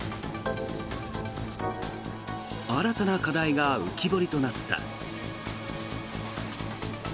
新たな課題が浮き彫りとなった。